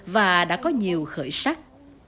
và đã có nhiều khởi sắc